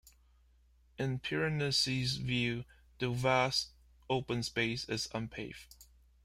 In Piranesi's view, the vast open space is unpaved.